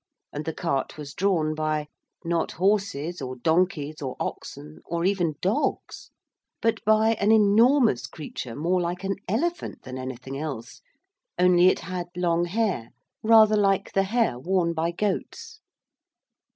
And the cart was drawn by not horses or donkeys or oxen or even dogs but by an enormous creature more like an elephant than anything else, only it had long hair rather like the hair worn by goats.